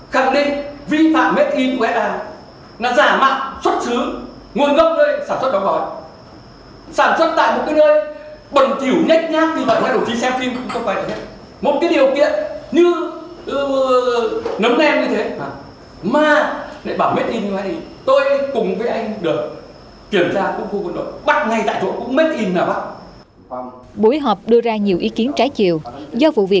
khẳng định vi phạm mết in của s a là giả mạng xuất xứ nguồn gốc nơi sản xuất đóng gói sản xuất tại một nơi bần thiểu nhét nhát như vải hoa đồ chi xe